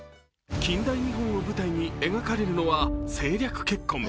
近代日本を舞台に描かれるのは政略結婚。